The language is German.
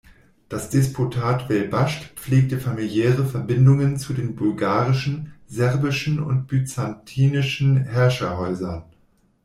Das Despotat Welbaschd pflegte familiäre Verbindungen zu den bulgarischen, serbischen und byzantinischen Herrscherhäusern.